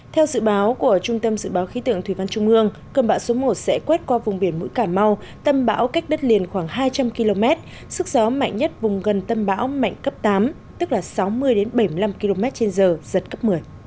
theo dự báo của trung tâm dự báo khí tượng thủy văn trung ương cơm bão số một sẽ quét qua vùng biển mũi cà mau tâm bão cách đất liền khoảng hai trăm linh km sức gió mạnh nhất vùng gần tâm bão mạnh cấp tám tức là sáu mươi bảy mươi năm km trên giờ giật cấp một mươi